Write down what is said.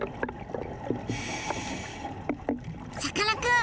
さかなクン！